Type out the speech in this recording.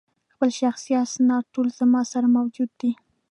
خپل شخصي اسناد ټول زما سره موجود دي.